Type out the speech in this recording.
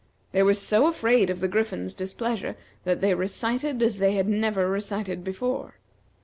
They were so afraid of the Griffin's displeasure that they recited as they had never recited before.